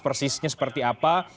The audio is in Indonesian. persisnya seperti apa